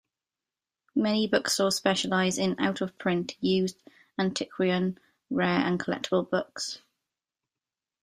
Many bookstores specialize in out-of-print, used, antiquarian, rare and collectible books.